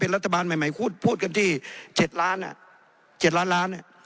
เป็นรัฐบาลใหม่พูดกันที่๗ล้านล้าน